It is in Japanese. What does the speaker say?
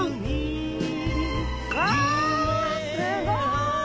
すごい！